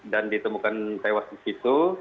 dan ditemukan tewas di situ